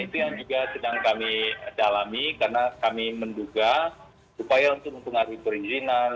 itu yang juga sedang kami dalami karena kami menduga upaya untuk mempengaruhi perizinan